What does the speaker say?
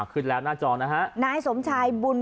ขึ้นแล้วหน้าจอนะคะ